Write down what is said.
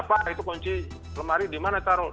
pak itu kunci lemari di mana ditaruh